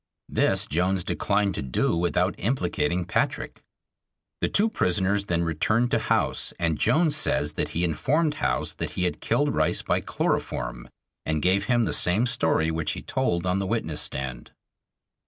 This Jones declined to do without implicating Patrick. The two prisoners then returned to House and Jones says that he informed House that he had killed Rice by chloroform, and gave him the "same story which he told on the witness stand."